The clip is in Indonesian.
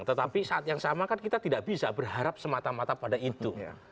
tetapi saat yang sama kan kita tidak bisa berharap semata mata pada itu